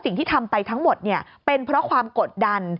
สิ่งที่ทำไปทั้งหมดเป็นเพราะความกดดัน